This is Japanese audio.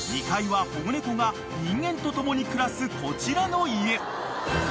［２階は保護猫が人間と共に暮らすこちらの家］